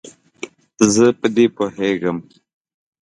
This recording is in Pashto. زه په دې پوهیږم.